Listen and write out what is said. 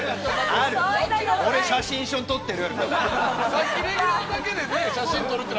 俺、写真一緒に撮ってる。